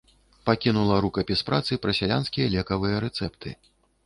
Пакінула рукапіс працы пра сялянскія лекавыя рэцэпты.